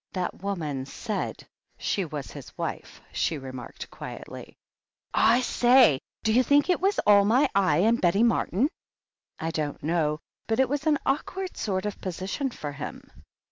"That woman said she was his wife," she remarked quietly. "I say! d'you think it was all my eye and Betty Martin?" "I don't know. But it was an awkward sort of position for him."